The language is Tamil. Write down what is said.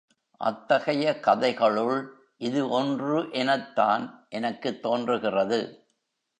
அத்தகையை கதைகளுள் இது ஒன்று எனத்தான் எனக்குத் தோன்றுகிறது.